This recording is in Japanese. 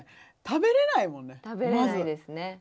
食べれないですね。